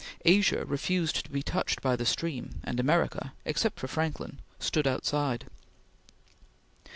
Asia refused to be touched by the stream, and America, except for Franklin, stood outside.